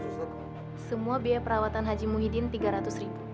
semua biaya perawatan haji muhyiddin rp tiga ratus